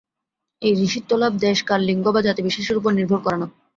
এই ঋষিত্ব-লাভ দেশ-কাল-লিঙ্গ বা জাতিবিশেষের উপর নির্ভর করে না।